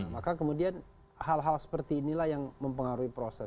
maka kemudian hal hal seperti inilah yang mempengaruhi proses